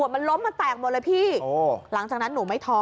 มันล้มมันแตกหมดเลยพี่หลังจากนั้นหนูไม่ท้อ